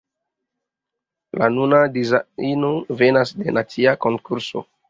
La nuna dizajno venas de nacia konkurso.